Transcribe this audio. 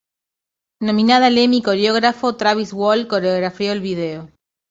Nominada al Emmy coreógrafo Travis Wall coreografió el video.